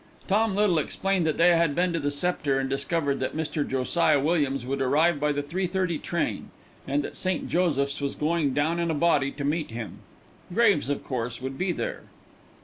Tom Little explained that they had been to the Sceptre and discovered that Mr. Josiah Williams would arrive by the 3.3 train, and that St. Joseph's was going down in a body to meet him. Graves, of course, would be there.